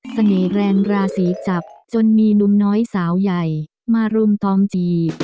เสน่ห์แรงราศีจับจนมีหนุ่มน้อยสาวใหญ่มารุมตอมจีบ